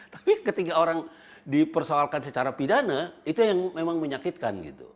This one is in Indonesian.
tapi ketika orang dipersoalkan secara pidana itu yang memang menyakitkan gitu